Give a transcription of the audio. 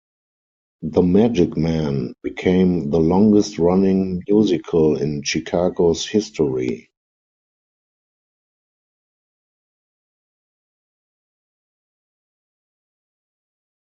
"The Magic Man" became the longest running musical in Chicago's history.